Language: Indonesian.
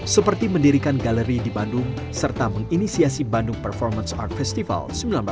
seperti mendirikan galeri di bandung serta menginisiasi bandung performance art festival seribu sembilan ratus sembilan puluh